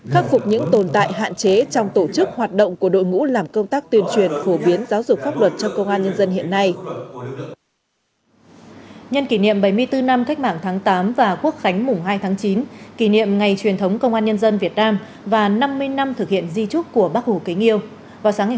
khắc phục những tồn tại hạn chế trong tổ chức hoạt động của đội ngũ làm công tác tuyên truyền phổ biến giáo dục pháp luật trong công an nhân dân hiện nay